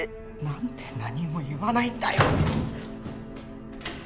何で何も言わないんだよ！